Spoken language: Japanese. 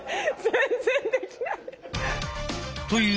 全然できない。